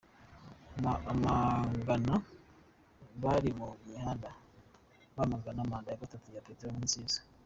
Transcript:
Amagana bari mu mihanda bamagana manda ya gatatu ya Petero Nkurunziza